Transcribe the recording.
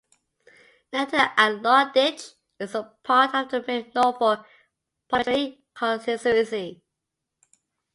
Necton and Launditch is a part of the Mid Norfolk parliamentary constituency.